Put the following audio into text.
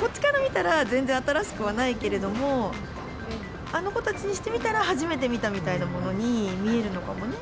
こっちから見たら、全然新しくはないけれども、あの子たちにしてみたら、初めて見たみたいなものに見えるのかもね。